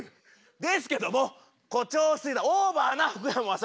ですけども誇張しすぎたオーバーな福山雅治